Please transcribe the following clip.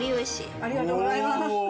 ありがとうございます。